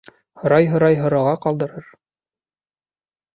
Һорай-һорай һороға ҡалдырыр.